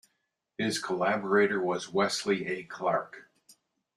His collaborator was Wesley A. Clark.